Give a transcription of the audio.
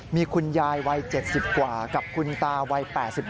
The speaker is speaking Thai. มีคุณยายวัย๗๐กว่ากับคุณตาวัย๘๕